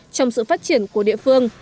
trong sự phát triển của địa phương